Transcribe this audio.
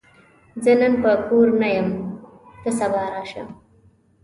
زه نن په کور کې نه یم، ته سبا راشه!